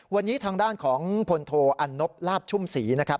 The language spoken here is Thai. วันนี้ทางด้านของพลโทอันนบลาบชุ่มศรีนะครับ